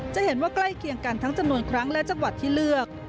จะเห็นว่าใกล้เคียงกันทั้งจำนวนครั้งและจังหวัดที่เลือก